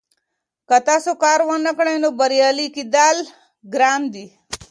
که تاسو کار ونکړئ نو بریالي کیدل ګران دي.